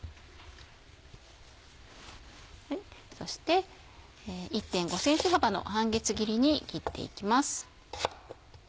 そして１．５ｃｍ幅の半月切りに切っていきます。